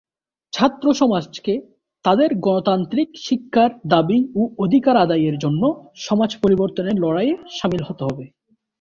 ছাত্র সমাজকে তাদের গণতান্ত্রিক শিক্ষার দাবি ও অধিকার আদায়ের জন্য সমাজ পরিবর্তনের লড়াইয়ে সামিল হতে হবে।